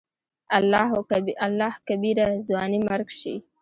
الله کبيره !ځواني مرګ شې.